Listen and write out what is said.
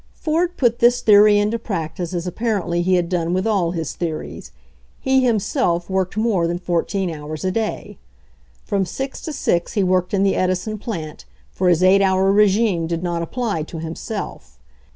Ford put this theory into practice as apparently he had done with all his theories. He himself worked more than fourteen hours a day. From 6 to 6 he worked in the Edison plant, for his eight hour regime did not apply to him self.